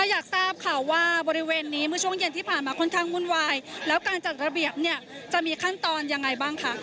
อยากทราบค่ะว่าบริเวณนี้เมื่อช่วงเย็นที่ผ่านมาค่อนข้างวุ่นวายแล้วการจัดระเบียบเนี่ยจะมีขั้นตอนยังไงบ้างคะ